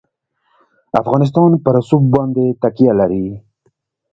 افغانستان په رسوب باندې تکیه لري.